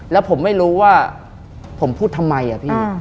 แล้วผมไม่รู้ว่าผมพูดทำไมอะพี่